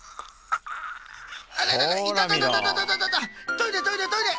トイレトイレトイレ！